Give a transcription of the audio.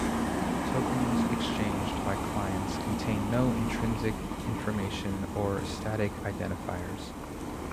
Tokens exchanged by clients contain no intrinsic information or static identifiers.